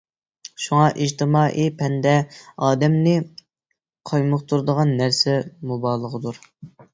شۇڭا ئىجتىمائىي پەندە ئادەمنى قايمۇقتۇرىدىغان نەرسە مۇبالىغىدۇر.